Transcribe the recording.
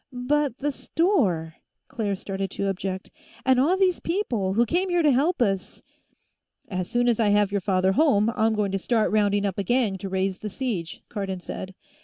"But the store," Claire started to object. "And all these people who came here to help us " "As soon as I have your father home, I'm going to start rounding up a gang to raise the siege," Cardon said.